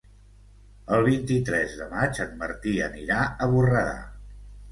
El vint-i-tres de maig en Martí anirà a Borredà.